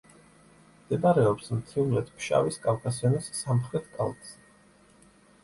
მდებარეობს მთიულეთ-ფშავის კავკასიონის სამხრეთ კალთზე.